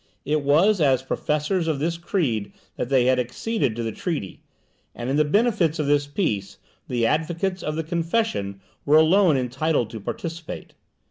It was as professors of this creed that they had acceded to the treaty; and in the benefits of this peace the advocates of the confession were alone entitled to participate.